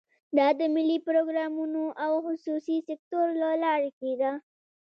دا د ملي پروګرامونو او خصوصي سکتور له لارې کېده.